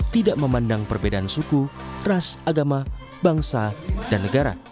tidak memandang perbedaan suku ras agama bangsa dan negara